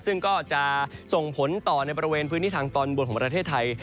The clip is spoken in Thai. ซึ่งก็จะส่งผลต่อในบริเวณพื้นที่ทางตอนบนของประเทศไทย